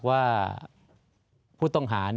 ว่า